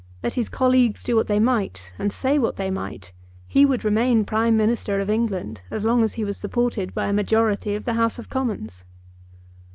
Let his colleagues do what they might, and say what they might, he would remain Prime Minister of England as long as he was supported by a majority of the House of Commons.